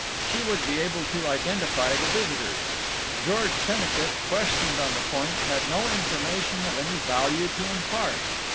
She would be able to identify the visitor. George Pennicut, questioned on the point, had no information of any value to impart.